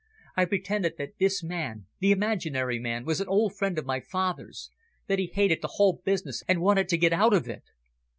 I pretended that this man, the imaginary man, was an old friend of my father's, that he hated the whole business and wanted to get out of it."